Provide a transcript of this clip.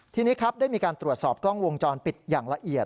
ทีนี้ครับได้มีการตรวจสอบกล้องวงจรปิดอย่างละเอียด